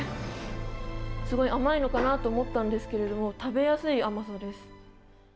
すごい甘いのかなと思ったんですけど食べやすい甘さです。